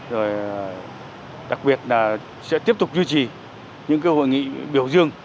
rồi đặc biệt là sẽ tiếp tục duy trì những cái hội nghị biểu dương